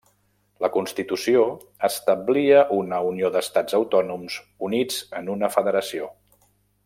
La constitució establia una unió d'estats autònoms units en una federació.